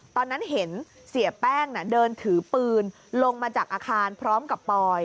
ตอนนั้นเห็นเสียแป้งเดินถือปืนลงมาจากอาคารพร้อมกับปอย